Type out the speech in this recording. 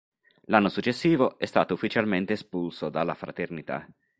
L'anno successivo è stato ufficialmente espulso dalla Fraternità.